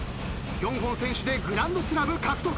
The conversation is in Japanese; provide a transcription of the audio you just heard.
４本先取でグランドスラム獲得。